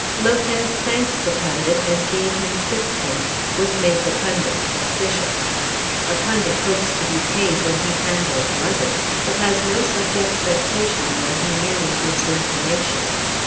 Lopez thanked the pundit and gave him sixpence, which made the pundit suspicious. A pundit hopes to be paid when he handles luggage, but has no such expectation when he merely gives information.